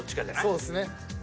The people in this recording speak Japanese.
そうっすね。